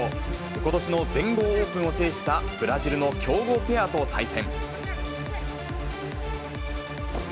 ことしの全豪オープンを制したブラジルの強豪ペアと対戦。